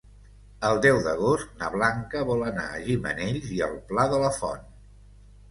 El deu d'agost na Blanca vol anar a Gimenells i el Pla de la Font.